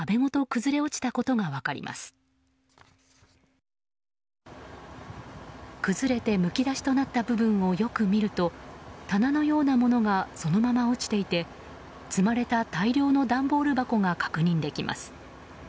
崩れてむき出しとなった部分をよく見ると棚のようなものがそのまま落ちていて積まれた大量の段ボール箱が確認できます。